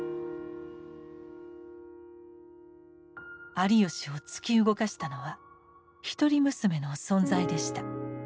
有吉を突き動かしたのは一人娘の存在でした。